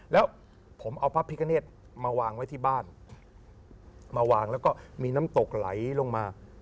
แล้วผมเอาพระพิกเนธมาวางไว้ที่บ้านมาวางแล้วก็มีน้ำตกไหลลงมา